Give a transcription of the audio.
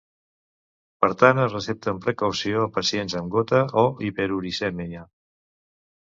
Per tant, es recepta amb precaució a pacients amb gota o hiperuricèmia.